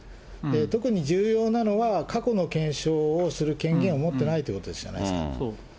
特に重要なのは、過去の検証をする権限を持っていないということですよね。